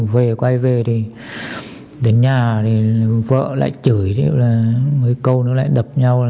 về quay về thì đến nhà vợ lại chửi mấy câu nữa lại đập nhau